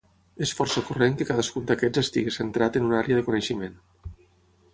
És força corrent que cadascun d'aquests estigui centrat en una àrea de coneixement.